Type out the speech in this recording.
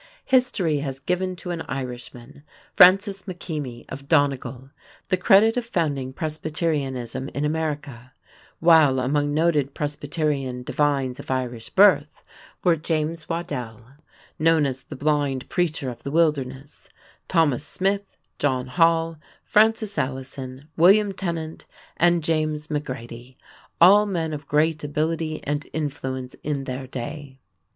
History has given to an Irishman, Francis Makemie of Donegal, the credit of founding Presbyterianism in America, while among noted Presbyterian divines of Irish birth were James Waddell, known as "the blind preacher of the wilderness," Thomas Smyth, John Hall, Francis Allison, William Tennant, and James McGrady, all men of great ability and influence in their day.